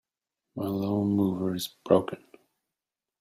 My lawn-mower is broken.